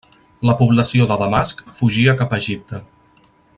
La població de Damasc fugia cap a Egipte.